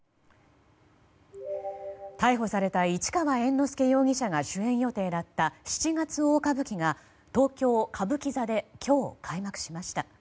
逮捕された市川猿之助容疑者が主演予定だった「七月大歌舞伎」が東京・歌舞伎座で今日、開幕しました。